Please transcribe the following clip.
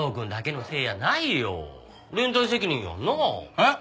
えっ？